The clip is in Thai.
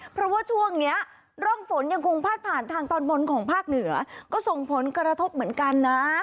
เพราะว่าช่วงนี้ร่องฝนยังคงพาดผ่านทางตอนบนของภาคเหนือก็ส่งผลกระทบเหมือนกันนะ